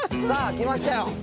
さあきましたよ。